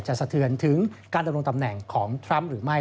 สะเทือนถึงการดำรงตำแหน่งของทรัมป์หรือไม่